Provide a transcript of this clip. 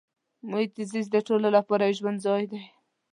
محیط زیست د ټولو لپاره د ژوند ځای دی.